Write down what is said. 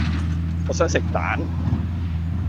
我想食蛋